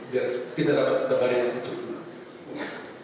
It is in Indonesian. biar kita dapat gambarnya betul